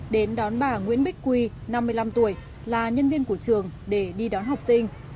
đến đón bà nguyễn bích quy năm mươi năm tuổi là nhân viên của trường để đi đón học sinh